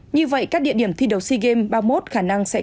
như vậy các địa điểm thi đấu sea games ba mươi một khả năng sẽ có